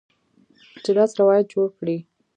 چې داسې روایت جوړ کړي